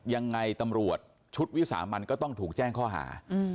ยังไงตำรวจชุดวิสามันก็ต้องถูกแจ้งข้อหา